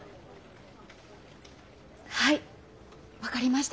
はい分かりました。